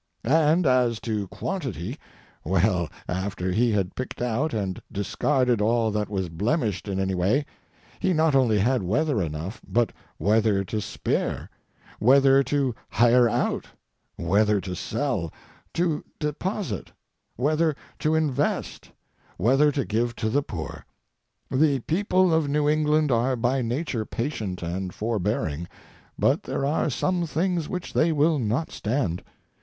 And as to quantity well, after he had picked out and discarded all that was blemished in any way, he not only had weather enough, but weather to spare; weather to hire out; weather to sell; to deposit; weather to invest; weather to give to the poor. The people of New England are by nature patient and forbearing, but there are some things which they will not stand.